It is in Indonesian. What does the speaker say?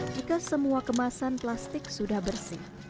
jika semua kemasan plastik sudah bersih